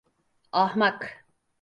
Ahmak!